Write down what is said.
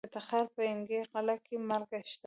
د تخار په ینګي قلعه کې مالګه شته.